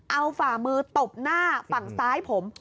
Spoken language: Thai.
เอาฝ่ามือตบหน้าฝั่งซ้ายผม